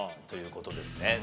という事ですね。